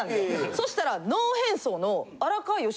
そしたら。